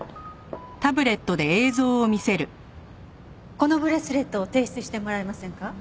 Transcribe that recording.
このブレスレットを提出してもらえませんか？